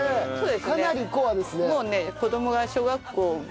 かなりコアですね。